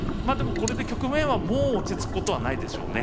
これで局面はもう落ち着くことはないでしょうね。